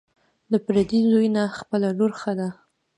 ـ د پردي زوى نه، خپله لور ښه ده.